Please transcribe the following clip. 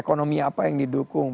ekonomi apa yang didukung